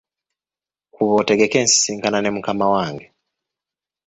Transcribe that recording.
Kuba otegeke ensisinkana me mukama wange.